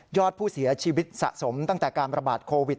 อดผู้เสียชีวิตสะสมตั้งแต่การประบาดโควิด